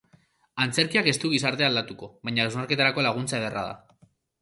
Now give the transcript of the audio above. Antzerkiak ez du gizartea aldatuko, baina hausnarketarako laguntza ederra da.